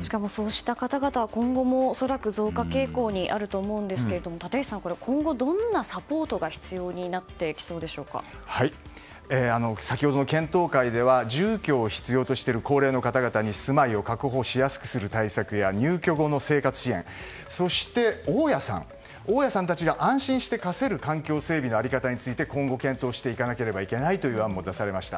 しかも、そうした方々は今後も恐らく増加傾向にあると思うんですが立石さん、今後どんなサポートが先ほどの検討会では住居を必要としている高齢の方々に住まいを確保しやすくする対策や入居後の生活支援、そして大家さんたちが安心して貸せる環境整備の在り方について今後検討していかなければいけないという案も出されました。